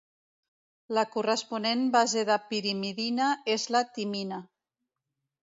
La corresponent base de pirimidina és la timina.